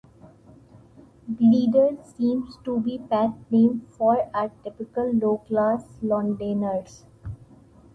"Bleeder" seemed to be a pet name for a typical low-class Londoner.